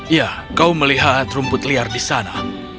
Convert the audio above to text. ya kau melihat rumput liar di sana